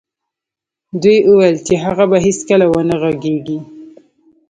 دوی ویل چې هغه به هېڅکله و نه غږېږي